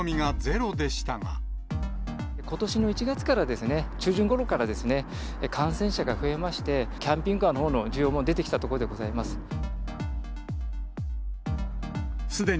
ことしの１月から、中旬ごろからですね、感染者が増えまして、キャンピングカーのほうの需要も出てきたところでございます。